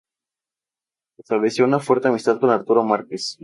Entabló una fuerte amistad con Arturo Márquez.